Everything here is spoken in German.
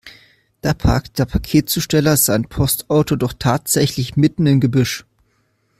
Da parkt der Paketzusteller sein Postauto doch tatsächlich mitten im Gebüsch!